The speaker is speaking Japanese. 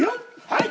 はい！